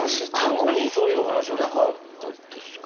過去にそういうお話はなかったですか？